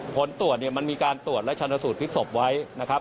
ผลตรวจเนี่ยมันมีการตรวจและชันสูตรพลิกศพไว้นะครับ